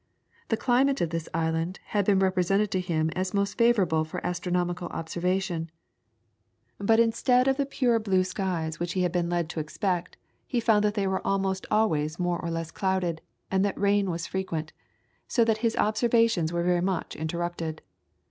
The climate of this island had been represented to him as most favourable for astronomical observation; but instead of the pure blue skies he had been led to expect, he found that they were almost always more or less clouded, and that rain was frequent, so that his observations were very much interrupted.